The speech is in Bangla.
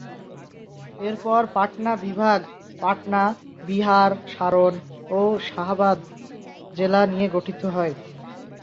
এরপর পাটনা বিভাগ পাটনা, বিহার, সারন ও শাহাবাদ জেলা নিয়ে গঠিত হয়।